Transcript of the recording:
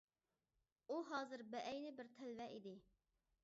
ئۇ ھازىر بەئەينى بىر تەلۋە ئىدى.